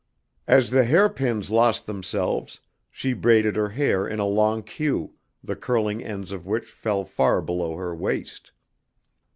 As the hair pins lost themselves, she braided her hair in a long queue, the curling ends of which fell far below her waist.